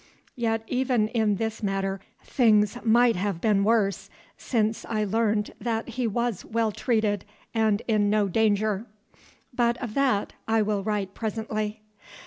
Yet even in this matter things might have been worse, since I learned that he was well treated, and in no danger. But of that I will write presently.